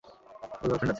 ওর girlfriend আছে।